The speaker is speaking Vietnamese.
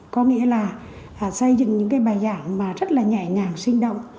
có nghĩa là xây dựng những bài giảng rất nhẹ nhàng sinh động